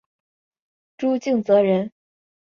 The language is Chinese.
朱敬则人。